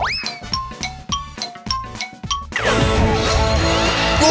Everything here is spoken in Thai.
กวนกีฬา